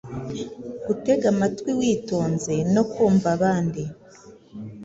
gutega amatwi witonze no kumva abandi